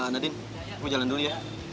nadine aku jalan dulu ya